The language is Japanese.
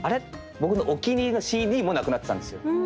僕のお気に入りのＣＤもなくなってたんですよ。